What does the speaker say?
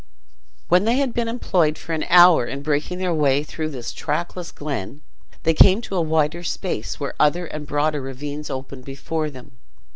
When they had been employed for an hour in breaking their way through this trackless glen, they came to a wider space, where other and broader ravines opened before them.